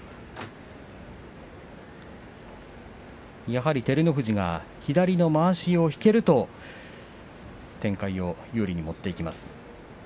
やはり照ノ富士が左のまわしを引けると展開を有利に持っていきます。